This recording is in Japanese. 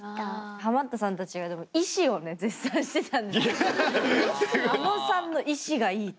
ハマったさんたちがでも意志をね絶賛してたんですけどあのさんの意志がいいという。